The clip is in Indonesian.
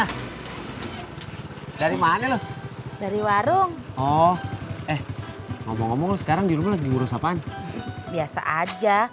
hai dari mana lo dari warung oh eh ngomong ngomong sekarang dirumah diurus apaan biasa aja